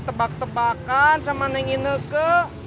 tebakan sama neng ineke